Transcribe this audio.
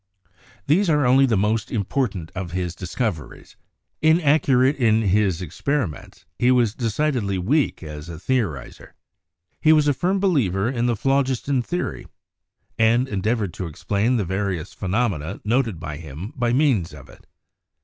These are only the most im portant of his discoveries. Inaccurate in his experiments, he was decidedly weak as a theorizer. He was a firm be liever in the phlogiston theory, and endeavored to explain the various phenomena noted by him by means of it.